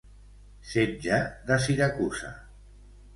Setge de Siracusa.